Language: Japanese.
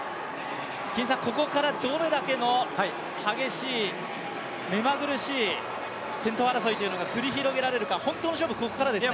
ここからどれだけの激しいめまぐるしい先頭争いが繰り広げられるか本当の勝負、ここからですね。